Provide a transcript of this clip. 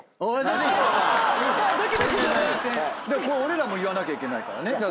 これ俺らも言わなきゃいけないからね。